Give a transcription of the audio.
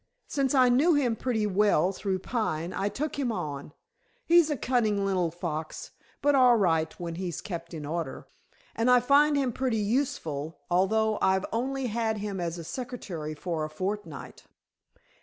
Since I knew him pretty well through Pine, I took him on. He's a cunning little fox, but all right when he's kept in order. And I find him pretty useful, although I've only had him as a secretary for a fortnight."